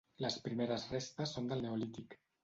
Les primeres restes són del neolític.